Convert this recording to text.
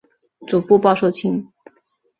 祖父鲍受卿。